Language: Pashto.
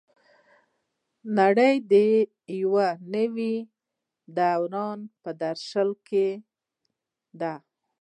نړۍ د یو نوي دوران په درشل کې ده.